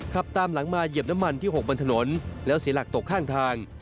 ขับตามหลังมาเหยียบน้ำมันที่๖บนถนนแล้วเสียหลักตกข้างทาง